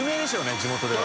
地元では。